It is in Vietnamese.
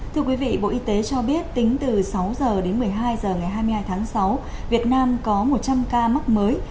thưa quý vị bộ y tế cho biết tính từ sáu h đến một mươi hai h ngày hai mươi hai tháng sáu việt nam có một trăm linh ca mắc mới